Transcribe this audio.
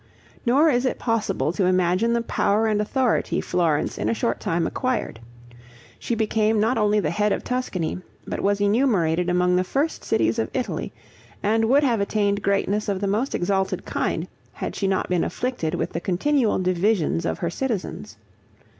Nor is it possible to imagine the power and authority Florence in a short time acquired. She became not only the head of Tuscany, but was enumerated among the first cities of Italy, and would have attained greatness of the most exalted kind, had she not been afflicted with the continual divisions of her citizens.